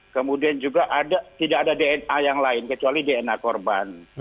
kemudian juga tidak ada dna yang lain kecuali dna korban